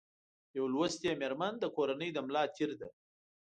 یو لوستي مېرمن د کورنۍ د ملا تېر ده